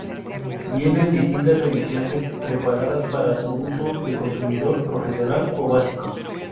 Viene en distintas ediciones preparadas para su uso de consumidor, profesional o básico.